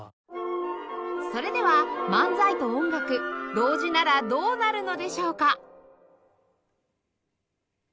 それでは漫才と音楽同時ならどうなるのでしょうか？